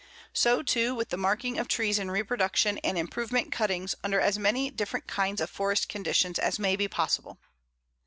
So, too, with the marking of trees in reproduction and improvement cuttings under as many different kinds of forest conditions as may be possible.